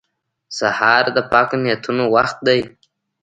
سهار د پاکو نیتونو وخت دی.